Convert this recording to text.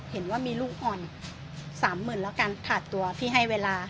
เห็นว่ามีลูกอ่อน๓๐๐๐แล้วกันขาดตัวพี่ให้เวลา